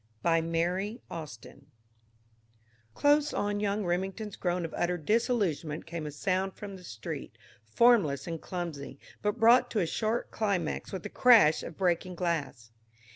BY MARY AUSTIN Close on Young Remington's groan of utter disillusionment came a sound from the street, formless and clumsy, but brought to a sharp climax with the crash of breaking glass.